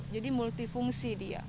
jadi multifungsi dia